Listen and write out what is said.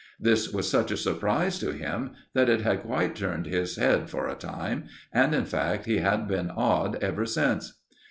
This was such a surprise to him that it had quite turned his head for a time, and, in fact, he had been odd ever since.